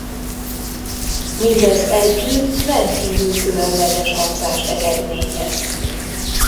Mindez együtt rendkívül különleges hangzást eredményez.